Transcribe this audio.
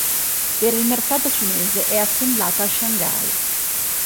Per il mercato cinese è assemblata a Shanghai.